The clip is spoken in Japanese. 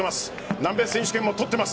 南米選手権も取っています。